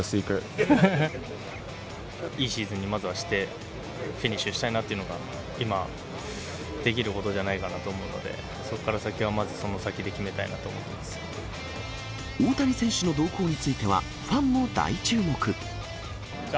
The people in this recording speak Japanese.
いいシーズンにまずはして、フィニッシュしたいなというのが今、できることではないかなと思うので、そこから先はまずその先で決大谷選手の動向については、ファンも大注目。